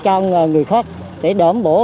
đối với những hồ đenzien lớn tuổi